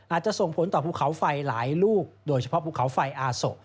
อาจจะส่งผลต่อภูเขาไฟหลายลูกโดยเฉพาะภูเขาไฟอาโส